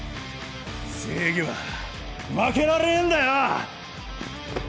正義は負けられねえんだよ！